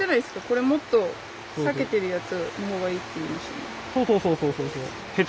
これもっと裂けてるやつの方がいいって言いましたよね。